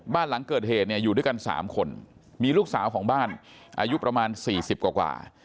บ้านหลังเกิดเหตุเนี่ยอยู่ด้วยกัน๓คนมีลูกสาวของบ้านอายุประมาณ๔๐กว่า